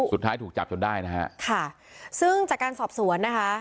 สุดท้ายถูกจับจนได้นะฮะค่ะซึ่งจากการสอบสวนนะคะ